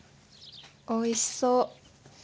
おいしそう！